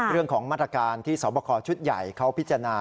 เรื่องของมาตรการที่สอบคอชุดใหญ่เขาพิจารณา